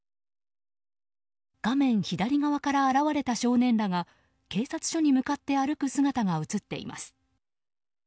画面左側から現れた少年らが警察署に向かって歩く姿が映っています。